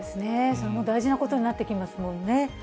それも大事なことになってきますもんね。